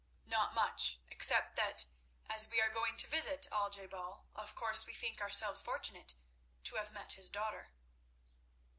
"Not much, except that, as we are going to visit Al je bal, of course we think ourselves fortunate to have met his daughter."